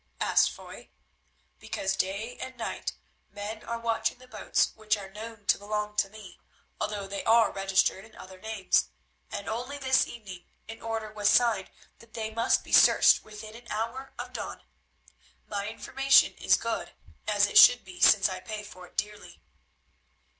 asked Foy. "Because day and night men are watching the boats which are known to belong to me, although they are registered in other names, and only this evening an order was signed that they must be searched within an hour of dawn. My information is good, as it should be since I pay for it dearly."